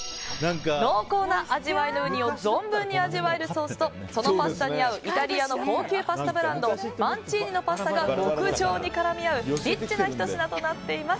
濃厚な味わいのウニを存分に味わえるソースとそれに合うイタリアの高級パスタブランドマンチーニのパスタが極上に絡み合うリッチなひと品となっています。